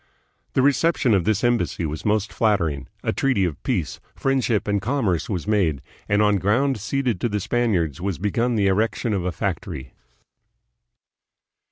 The reception of this embassy was most flattering; a treaty of peace, friend ship, and commerce was made, and on ground ceded to the Spaniards was begun the erection of a factory.